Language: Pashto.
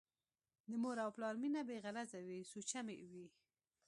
د مور او پلار مينه بې غرضه وي ، سوچه مينه وي